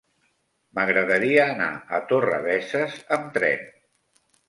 M'agradaria anar a Torrebesses amb tren.